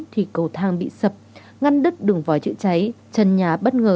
thì cầu thang bị sập ngăn đứt đường vòi chữa cháy trần nhà bất ngờ